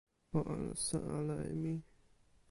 o alasa ala e mi!